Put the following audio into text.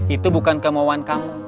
itu bukan kemauan kamu